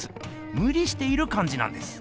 むりしているかんじなんです。